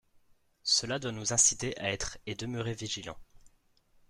Cela doit nous nous inciter à être et demeurer vigilants.